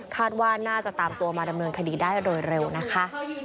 ว่าน่าจะตามตัวมาดำเนินคดีได้โดยเร็วนะคะ